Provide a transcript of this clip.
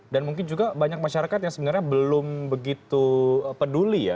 dan mungkin juga banyak masyarakat yang sebenarnya belum begitu peduli ya